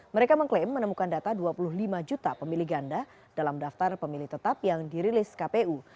mereka mengklaim menemukan data dua puluh lima juta pemilih ganda dalam daftar pemilih tetap yang dirilis kpu